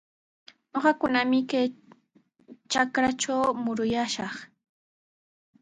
Ñuqakunami kay trakratraw muruyaashaq.